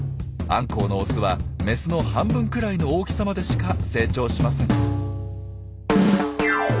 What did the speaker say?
アンコウのオスはメスの半分くらいの大きさまでしか成長しません。